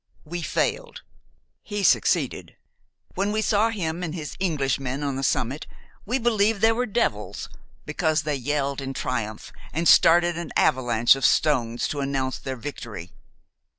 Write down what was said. We failed; he succeeded. When we saw him and his Englishmen on the summit, we believed they were devils, because they yelled in triumph, and started an avalanche of stones to announce their victory.